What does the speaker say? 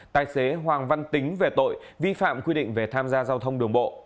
tài xế hoàng văn tính về tội vi phạm quy định về tham gia giao thông đường bộ